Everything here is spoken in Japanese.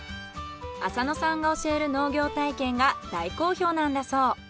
浅野さんが教える農業体験が大好評なんだそう。